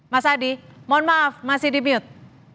mas adi mohon maaf masih di mute